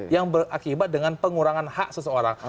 yang berakibat dengan pengurangan hak seseorang